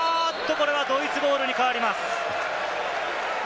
これはドイツボールに変わります。